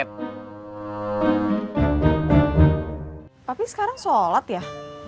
tapi sekarang sholat ya